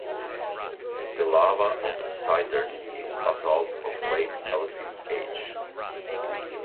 The lava of The Cinders is basalt of late Holocene age.